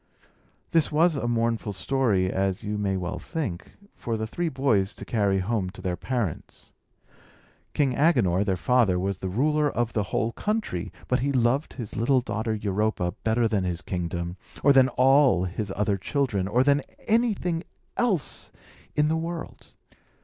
This was a mournful story, as you may well think, for the three boys to carry home to their parents. King Agenor, their father, was the ruler of the whole country; but he loved his little daughter Europa better than his kingdom, or than all his other children, or than anything else in the world.